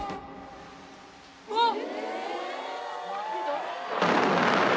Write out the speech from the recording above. うわっ！